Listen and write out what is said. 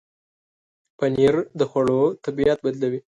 پنېر د خوړو طبعیت بدلوي.